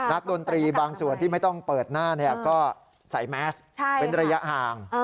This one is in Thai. ดนตรีบางส่วนที่ไม่ต้องเปิดหน้าก็ใส่แมสเป็นระยะห่าง